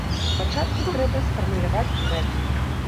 Спачатку трэба сфармуляваць мэту.